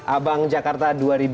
abang jakarta dua ribu dua puluh